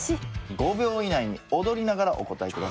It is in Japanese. ５秒以内に躍りながらお答えください。